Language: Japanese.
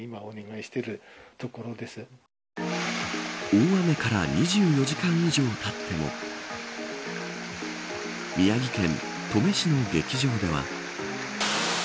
大雨から２４時間以上たっても宮城県登米市の劇場では。